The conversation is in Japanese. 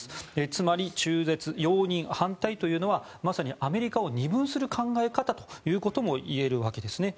つまり、中絶容認、反対というのはまさに、アメリカを二分する考え方ということも言えるわけですね。